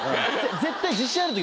絶対。